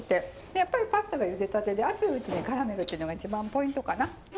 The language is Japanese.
やっぱりパスタがゆでたてで熱いうちにからめるっていうのが一番ポイントかな！